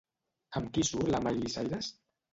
Amb qui surt la Miley Cyrus?